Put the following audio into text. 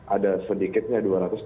ada sedikitnya dua ratus